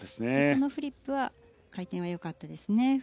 フリップは回転は良かったですね。